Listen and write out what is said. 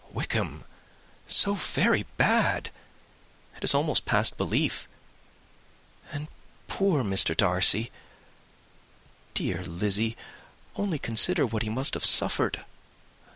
"Wickham so very bad! It is almost past belief. And poor Mr. Darcy! dear Lizzy, only consider what he must have suffered.